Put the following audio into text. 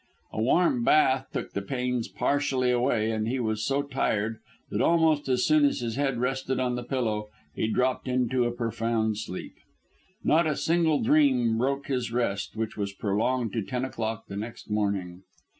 A warm bath took the pains partially away, and he was so tired that almost as soon as his head rested on the pillow he dropped into a profound sleep. Not a single dream broke his rest, which was prolonged to ten o'clock the next morning.